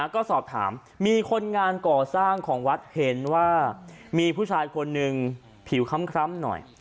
ก็สอบถามมีคนงานก่อสร้างของวัดเห็นว่ามีผู้ชายคนหนึ่งผิวคล้ำหน่อย